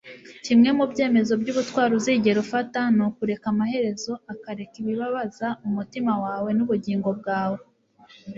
kimwe mu byemezo by'ubutwari uzigera ufata ni ukureka amaherezo akareka ibibabaza umutima wawe n'ubugingo bwawe